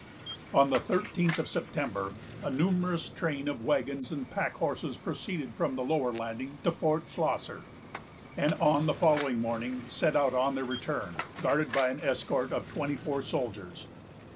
On the thirteenth of September, a numerous train of wagons and pack horses proceeded from the lower landing to Fort Schlosser; and on the following morning set out on their return, guarded by an escort of twenty four soldiers.